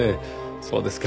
そうですか。